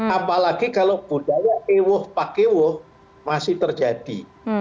apalagi kalau budaya ewoh pakewoh masih terjadi